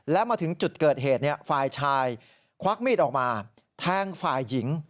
และมาถึงจุดเกิดเหตุฝ่ายชายควักมีดออกมาแทงฝ่ายหญิง